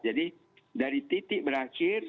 jadi dari titik berakhir